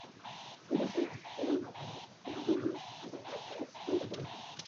Representa todas las penas de Torque unidas, formando una gran criatura sanguinaria y antropomórfica.